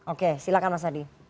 oke silakan mas adi